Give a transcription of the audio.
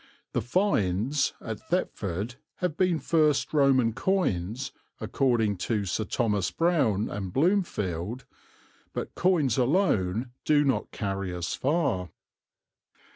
The "finds" at Thetford have been first Roman coins, according to Sir Thomas Browne and Blomefield. But coins alone do not carry us far.